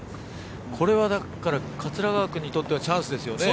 これはだから桂川君にとってはチャンスですよね。